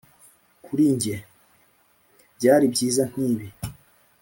kuri njye. byari byiza nkibi.